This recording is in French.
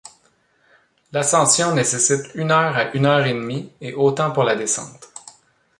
L'ascension nécessite une heure à une heure et demie et autant pour la descente.